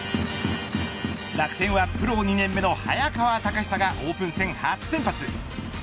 楽天はプロ２年目の早川隆久がオープン戦初先発。